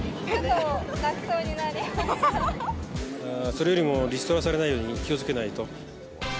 それよりもリストラされないように気をつけないと。